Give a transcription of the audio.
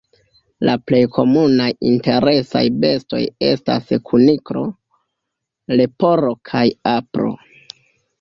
La plej komunaj interesaj bestoj estas kuniklo, leporo kaj apro.